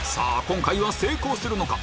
今回は成功するのか？